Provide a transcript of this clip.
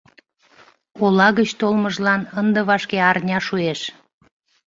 Ола гыч толмыжлан ынде вашке арня шуэш.